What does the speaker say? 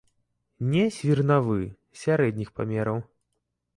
Не свірнавы, сярэдніх памераў.